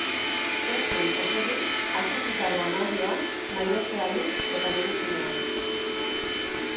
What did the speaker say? Entzun osorik, atxikita doan audioan, nahi beste aldiz eta nahi duzunean.